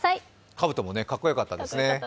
かぶともかっこよかったですね。